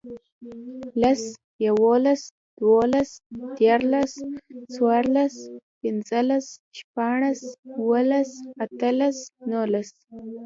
لس, یوولس, دوولس, دیرلس، څورلس, پنځلس, شپاړس, اووهلس, اتهلس, نونس